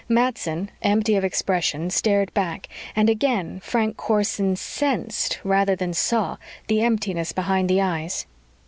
Matson, empty of expression, stared back, and again Frank Corson sensed rather than saw the emptiness behind the eyes.